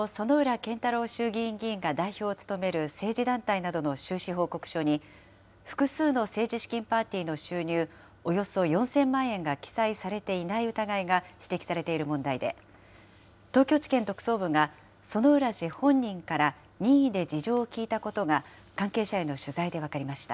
健太郎衆議院議員が代表を務める政治団体などの収支報告書に、複数の政治資金パーティーの収入およそ４０００万円が記載されていない疑いが指摘されている問題で、東京地検特捜部が、薗浦氏本人から任意で事情を聴いたことが、関係者への取材で分かりました。